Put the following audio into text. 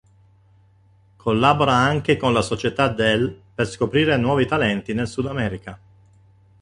Collabora anche con la società del per scoprire nuovi talenti nel Sudamerica.